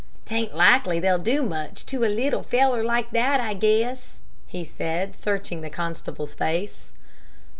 "'T aint likely they'll do much to a leetle feller like that, I guess," he said, searching the constable's face.